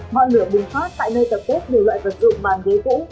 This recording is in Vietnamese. ngoạn lửa bùng phát tại nơi tập tốt nhiều loại vật dụng bàn ghế cũ